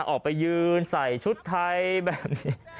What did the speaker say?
ออกไปยืนใส่ชุดไทยแบบนี้